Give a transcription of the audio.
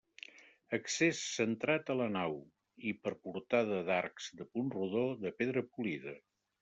Accés centrat a la nau, i per portada d'arcs de punt rodó de pedra polida.